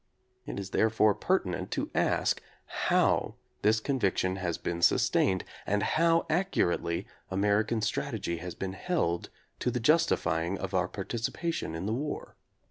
It is therefore pertinent to ask how this conviction has been sustained and how accurately American strategy has been held to the justifying of our participation in the war.